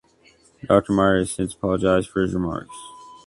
Dr Mira has since apologized for his remarks.